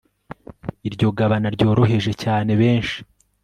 iryo gabana ryorohereje cyane benshi